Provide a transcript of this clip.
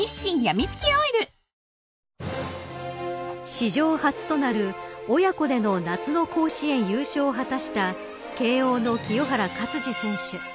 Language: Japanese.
史上初となる親子での夏の甲子園優勝を果たした慶応の清原勝児選手。